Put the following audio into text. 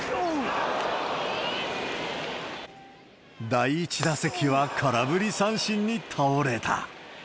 第１打席は空振り三振に倒れた。